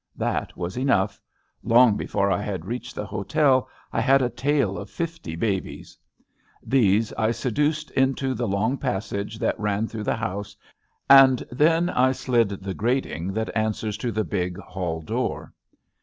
That was enough. Long before I had reached the hotel I had a tail of fifty babies. These I seduced into the long pas sage that ran through the house, and then I slid the grating that answers to the big hall door.